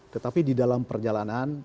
tetapi di dalam perjalanan